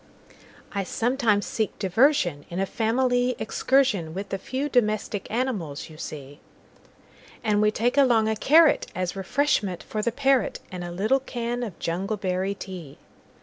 I sometimes seek diversionIn a family excursionWith the few domestic animals you see; And we take along a carrotAs refreshment for the parrot, And a little can of jungleberry tea.